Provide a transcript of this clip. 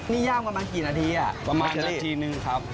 นี่ย่างกันมากี่นาทีประมาณนาทีหนึ่งครับ